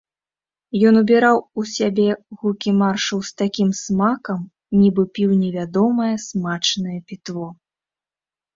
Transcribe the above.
Ён убіраў у сябе гукі маршаў з такім смакам, нібы піў невядомае смачнае пітво.